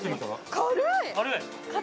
軽い！